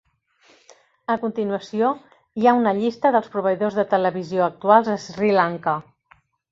A continuació, hi ha una llista dels proveïdors de televisió actuals a Sri Lanka.